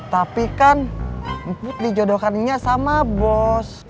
tapi kan input dijodohkan sama bos